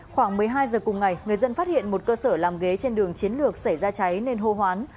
khoảng một mươi hai giờ cùng ngày người dân phát hiện một cơ sở làm ghế trên đường chiến lược xảy ra cháy nên hô hoán